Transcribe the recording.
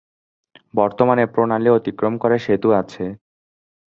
বর্তমানে প্রণালী অতিক্রম করে সেতু আছে।